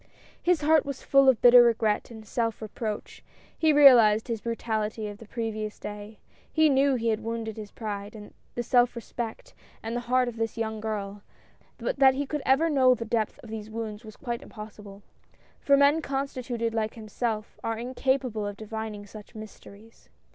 His heart was full of bitter regret and self reproach ; he realized his brutality of the previous day ; he knew he had wounded the pride, the self respect, and the heart of this young girl — but that he could ever know the depth of these wounds was quite impossible, — for men constituted like himself, are incapable of divining such mysteries.